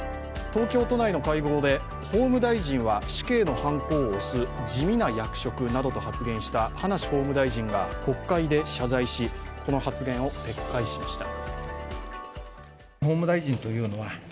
東京都内の会合で法務大臣は死刑のはんこを押す地味な役職などと発言した葉梨法務大臣が国会で謝罪しこの発言を撤回しました。